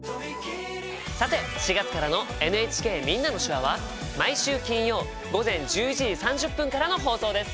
さて４月からの「ＮＨＫみんなの手話」は毎週金曜午前１１時３０分からの放送です。